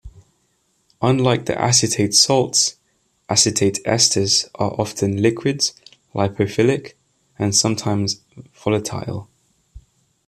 Unlike the acetate salts, acetate esters are often liquids, lipophilic, and sometimes volatile.